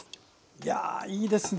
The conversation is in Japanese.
いやいいですね。